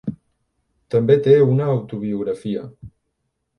També té una autobiografia.